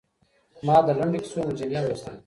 ما د لنډو کيسو مجلې هم لوستلې.